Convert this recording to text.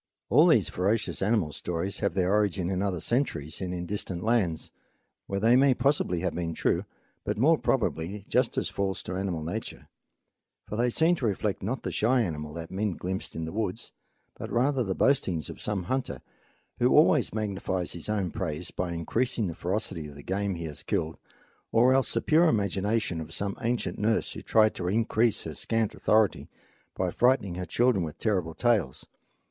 All these ferocious animal stories have their origin in other centuries and in distant lands, where they may possibly have been true, but more probably are just as false to animal nature; for they seem to reflect not the shy animal that men glimpsed in the woods, but rather the boastings of some hunter, who always magnifies his own praise by increasing the ferocity of the game he has killed, or else the pure imagination of some ancient nurse who tried to increase her scant authority by frightening her children with terrible tales.